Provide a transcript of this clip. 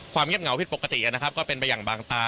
เงียบเหงาผิดปกตินะครับก็เป็นไปอย่างบางตา